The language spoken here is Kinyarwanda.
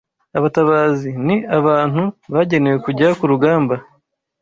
Abatabazi: ni abantu bagenewe kujya ku rugamba